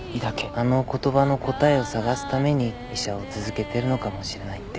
あの言葉の答えを探すために医者を続けているのかもしれないって。